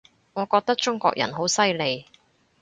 我覺得中國人好犀利